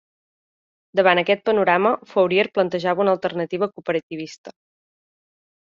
Davant aquest panorama, Fourier plantejava una alternativa cooperativista.